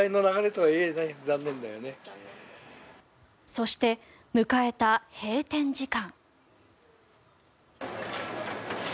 そして、迎えた閉店時間。